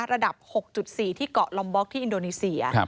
ระดับ๖๔ที่เกาะลอมบล็อกที่อินโดนีเซีย